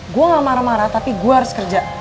gue gak marah marah tapi gue harus kerja